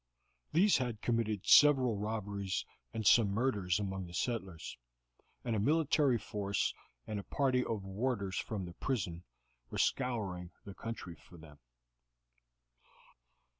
These had committed several robberies and some murders among the settlers, and a military force and a party of warders from the prison were scouring the country for them.